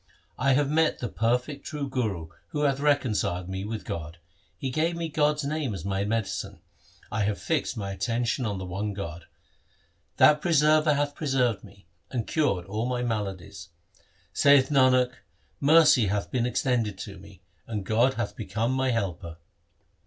I have met the perfect true Guru who hath reconciled me with God. He gave me God's name as my medicine ; I have fixed mine attention on the one God. That Preserver hath preserved me, and cured all my maladies. Saith Nanak, mercy hath been extended to me, and God hath become my helper.